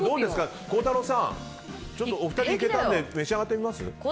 孝太郎さん、お二人いけたので召し上がってみます？